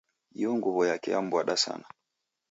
Iyo nguwo yake yambwada sana